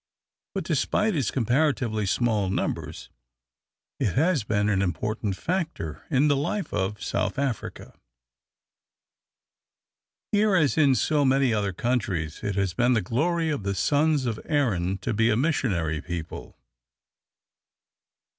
But, despite its comparatively small numbers, it has been an important factor in the life of South Africa. Here, as in so many other countries, it has been the glory of the sons of Erin to be a missionary people.